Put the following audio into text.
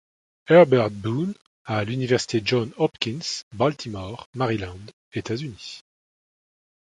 Herbert Boone, à l'Université Johns-Hopkins, Baltimore, Maryland, États-Unis.